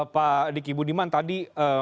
pak diki budiman tadi